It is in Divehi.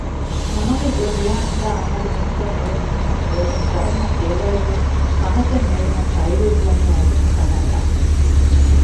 ނަމަވެސް އެވިޔާނުދާ ޢަމަލު ހިންގަން އުޅުނު މީހަކު ހޯދުމުގައި އެންމެ ފިޔަވަޅެއްވެސް ފަހަތަށް ނޭޅުމަށް ފައިރޫޒްވަނީ އަޒުމު ކަނޑައަޅާފަ